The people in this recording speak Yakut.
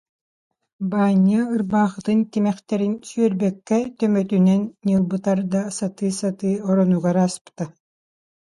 Баанньа ырбаахытын тимэх- тэрин сүөрбэккэ төбөтүнэн ньылбы тарда сатыы-сатыы оронугар ааспыта